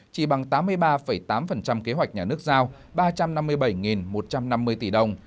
chỉ bằng tám mươi ba tám kế hoạch nhà nước giao ba trăm năm mươi bảy một trăm năm mươi tỷ đồng